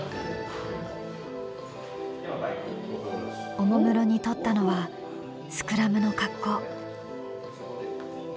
おもむろにとったのはスクラムの格好。